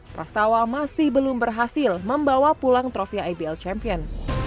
prastawa masih belum berhasil membawa pulang trofia ibl champion